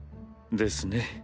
ですね。